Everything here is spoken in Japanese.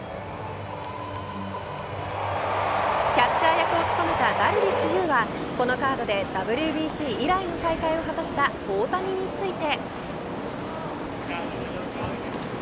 キャッチャー役を務めたダルビッシュ有はこのカードでＷＢＣ以来の再会を果たした大谷について。